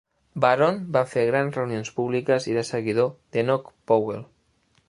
Baron va fer grans reunions públiques i era seguidor d'Enoch Powell.